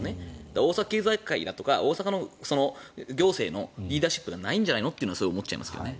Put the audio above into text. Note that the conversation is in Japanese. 大阪経済界だとかリーダーシップがないんじゃないのってすごい思っちゃいますけどね。